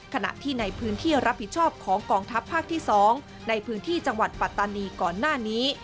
ขณะที่ในพื้นที่รับผิดชอบของกองทัพภาคที่๒ในพื้นที่จังหวัดปัตตานีก่อนหน้านี้